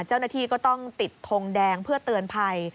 เจ้าหน้าที่ก็ต้องติดทงแดงเพื่อเตือนภัย